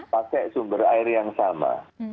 pakai sumber air yang sama